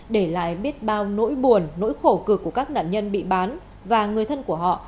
để lại biết bao nỗi buồn nỗi khổ cực của các nạn nhân bị bán và người thân của họ